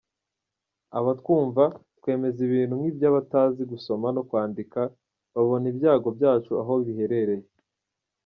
Abatwumva twemeza ibintu nk’iby’abatazi gusoma no kwandika babona ibyago byacu aho biherereye.